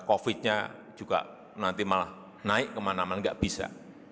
covid nya juga nanti malah naik kemana mana nggak bisa